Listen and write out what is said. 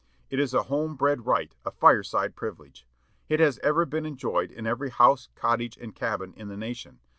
It is a 'home bred right,' a fireside privilege. It has ever been enjoyed in every house, cottage, and cabin in the nation....